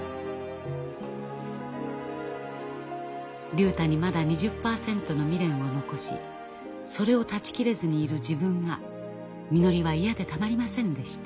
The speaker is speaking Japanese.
・竜太にまだ２０％の未練を残しそれを断ち切れずにいる自分がみのりは嫌でたまりませんでした。